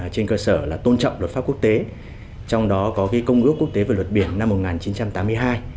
trên cơ sở tôn trọng luật pháp quốc tế trong đó có công ước quốc tế về luật biển năm một nghìn chín trăm tám mươi hai